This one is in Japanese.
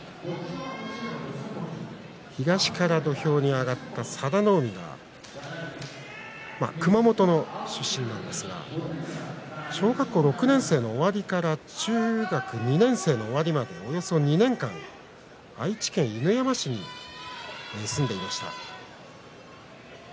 東から土俵に上がった佐田の海は熊本の出身なんですが小学校６年生の終わりから中学２年生の終わりまでおよそ２年間、愛知県犬山市に住んでいました。